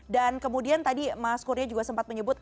dan kemudian tadi mas kurnia juga sempat menilai